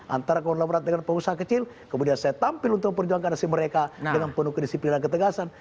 antara konglomerat dengan pengusaha kecil kemudian saya tampil untuk memperjuangkan hasil mereka dengan penuh kedisiplinan ketegasan